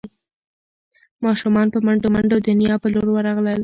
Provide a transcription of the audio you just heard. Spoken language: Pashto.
ماشومان په منډو منډو د نیا په لور ورغلل.